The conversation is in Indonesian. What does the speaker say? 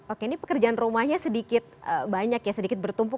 oke ini pekerjaan rumahnya sedikit banyak ya sedikit bertumpu